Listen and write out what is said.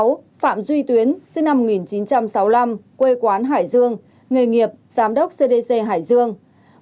sáu phạm duy tuyến sinh năm một nghìn chín trăm sáu mươi năm quê quán hải dương nghề nghiệp giám đốc cdc hải dương